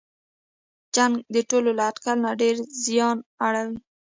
جنګ د ټولو له اټکل نه ډېر زیان اړوي.